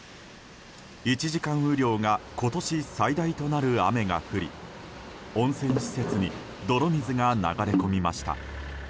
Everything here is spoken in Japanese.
１時間雨量が今年最大となる雨が降り温泉施設に泥水が流れ込みました。